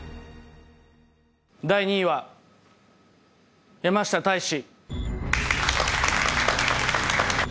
第２位は山下泰史